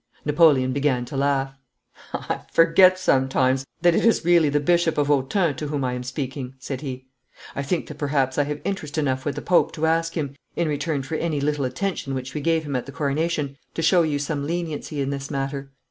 Napoleon began to laugh. 'I forget sometimes that it is really the Bishop of Autun to whom I am speaking,' said he. 'I think that perhaps I have interest enough with the Pope to ask him, in return for any little attention which we gave him at the Coronation, to show you some leniency in this matter.